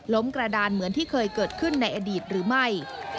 กระดานเหมือนที่เคยเกิดขึ้นในอดีตหรือไม่